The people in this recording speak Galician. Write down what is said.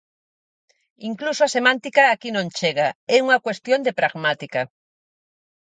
Incluso a semántica aquí non chega, é unha cuestión de pragmática.